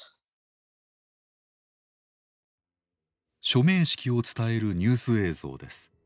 署名式を伝えるニュース映像です。